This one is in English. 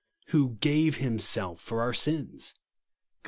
Who gave himself for our sins," (Gal.